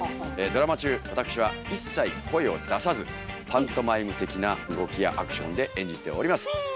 ドラマ中私は一切声を出さずパントマイム的な動きやアクションで演じております。